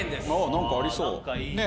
何かありそうね